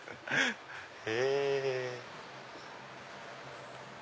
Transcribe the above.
へぇ。